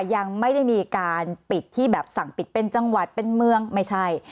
ยังไม่ได้มีการปิดที่แบบสั่งปิดเป็นจังหวัดเป็นเมืองไม่ใช่